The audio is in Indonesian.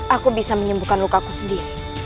aku bisa menyembuhkan lukaku sendiri